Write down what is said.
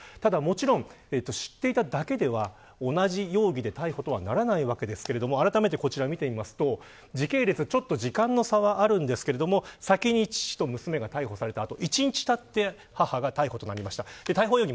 ただもちろん、知っていただけでは同じ容疑で逮捕とはならないわけですがあらためて見ていくと時系列、時間の差はありますが先に父と娘が逮捕された後に母が逮捕されました。